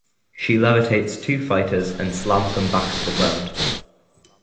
She levitates two fighters and slams them back to the ground.